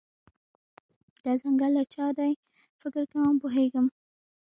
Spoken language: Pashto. دا ځنګل د چا دی، فکر کوم پوهیږم